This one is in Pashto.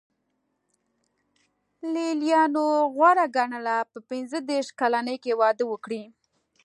لېلیانو غوره ګڼله په پنځه دېرش کلنۍ کې واده وکړي.